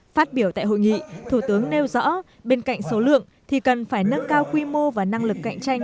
phát biểu tại hội nghị thủ tướng nêu rõ bên cạnh số lượng thì cần phải nâng cao quy mô và năng lực cạnh tranh